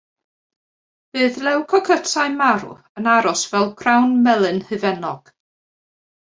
Bydd lewcocytau marw yn aros fel crawn melyn hufennog.